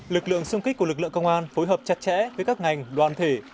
lực lượng xung kích của lực lượng công an phối hợp chặt chẽ với các ngành đoàn thể